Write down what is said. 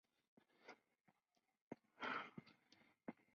Recaló nuevamente en Danubio.